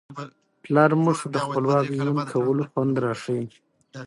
پلار موږ ته د خپلواک ژوند کولو خوند را ښيي.